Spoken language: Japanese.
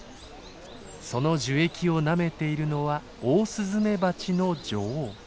その樹液をなめているのはオオスズメバチの女王。